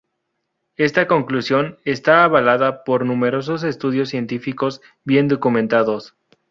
Esta conclusión está avalada por numerosos estudios científicos bien documentados.